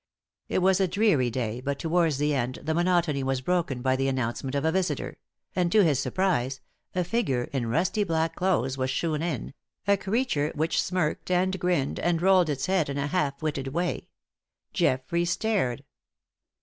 It was a dreary day, but towards the end the monotony was broken by the announcement of a visitor; and to his surprise, a figure in rusty black clothes was shewn in a creature which smirked and grinned and rolled its head in a half witted way; Geoffrey stared.